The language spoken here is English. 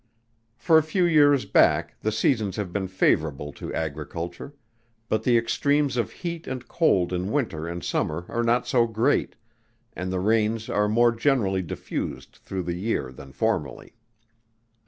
For a few years back the seasons have been favorable to agriculture; but the extremes of heat and cold in winter and summer are not so great, and the rains are more generally diffused through the year than formerly.